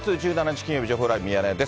金曜日、情報ライブミヤネ屋です。